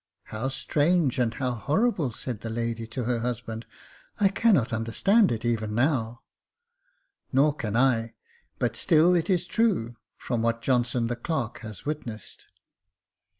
*' How strange and how horrible !" said the lady to her husband ;" I cannot understand it even now." Nor can I ; but still it is true, from what Johnson the clerk has witnessed."